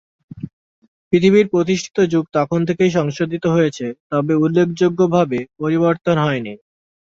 পৃথিবীর প্রতিষ্ঠিত যুগ তখন থেকেই সংশোধিত হয়েছে তবে উল্লেখযোগ্যভাবে পরিবর্তন হয়নি।